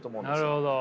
なるほど。